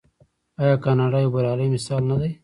آیا کاناډا یو بریالی مثال نه دی؟